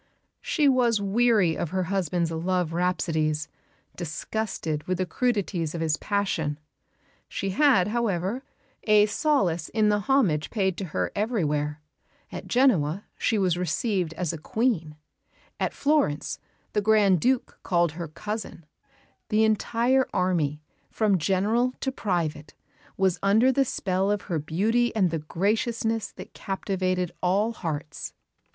She was weary of her husband's love rhapsodies, disgusted with the crudities of his passion. She had, however, a solace in the homage paid to her everywhere. At Genoa she was received as a Queen; at Florence the Grand Duke called her "cousin"; the entire army, from General to private, was under the spell of her beauty and the graciousness that captivated all hearts.